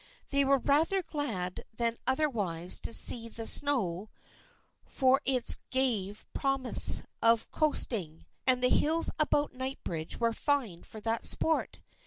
They were rather glad than otherwise to see the snow for it gave promise of coasting, and the hills about Kingsbridge were fine for that sport.